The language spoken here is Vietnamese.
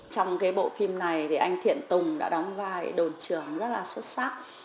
trong cái bộ phim này thì anh thiện tùng đã đóng vai đồn trưởng rất là xuất sắc